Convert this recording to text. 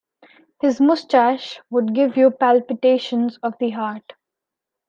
His moustache would give you palpitations of the heart.